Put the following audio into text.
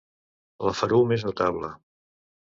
La ferum és notable.